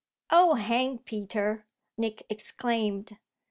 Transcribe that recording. "Oh hang Peter!" Nick exclaimed.